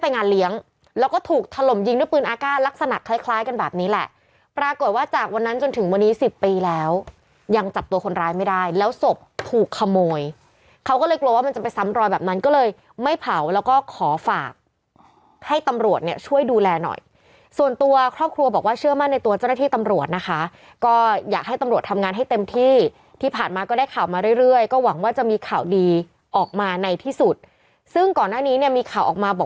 นี้สิบปีแล้วยังจับตัวคนร้ายไม่ได้แล้วศพถูกขโมยเขาก็เลยกลัวว่ามันจะไปซ้ำรอยแบบนั้นก็เลยไม่เผาแล้วก็ขอฝากให้ตำรวจเนี่ยช่วยดูแลหน่อยส่วนตัวครอบครัวบอกว่าเชื่อมั่นในตัวเจ้าหน้าที่ตำรวจนะคะก็อยากให้ตำรวจทำงานให้เต็มที่ที่ผ่านมาก็ได้ข่าวมาเรื่อยก็หวังว่าจะมีข่าวดีออกมาในที่สุดซึ่งก